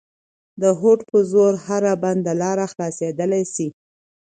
د هوډ په زور هره بنده لاره خلاصېدلای سي.